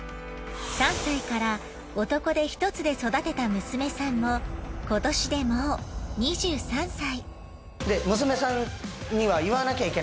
３歳から男手一つで育てた娘さんも今年でもう２３歳。